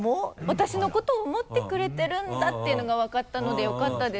私のことを思ってくれてるんだっていうのが分かったのでよかったです。